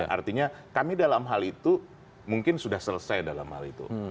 artinya kami dalam hal itu mungkin sudah selesai dalam hal itu